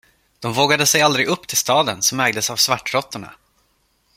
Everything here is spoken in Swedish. De vågade sig aldrig upp till staden, som ägdes av svartråttorna.